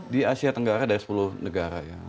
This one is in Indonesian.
di asia tenggara ada sepuluh negara ya